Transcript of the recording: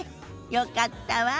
よかったわ。